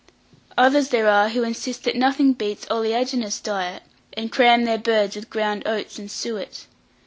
Others there are who insist that nothing beats oleaginous diet, and cram their birds with ground oats and suet.